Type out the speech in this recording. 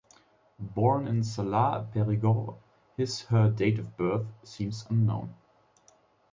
Born in Sarlat, Périgord, his/her date of birth seems unknown.